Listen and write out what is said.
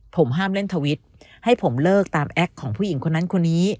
ผมห้ามเล่นทวิตให้ผมเลิกตามแอคของผู้หญิงคนนั้นคนนี้